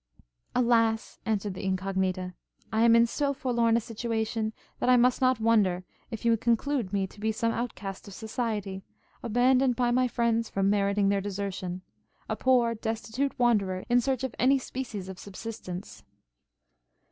'Alas!' answered the Incognita, 'I am in so forlorn a situation, that I must not wonder if you conclude me to be some outcast of society, abandoned by my friends from meriting their desertion, a poor destitute Wanderer, in search of any species of subsistence!'